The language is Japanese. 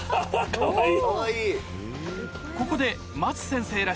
かわいい。